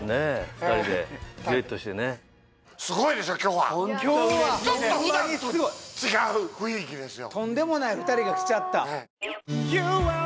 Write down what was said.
２人でデュエットしてねすごいでしょ今日はホントうれしいですちょっと普段と違う雰囲気ですよ